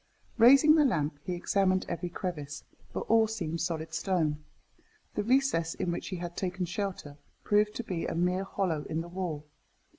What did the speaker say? Raising the lamp, he examined every crevice, but all seemed solid stone. The recess in which he had taken shelter proved to be a mere hollow in the wall.